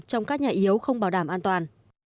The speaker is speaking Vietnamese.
trong các nhà yếu không bảo đảm an toàn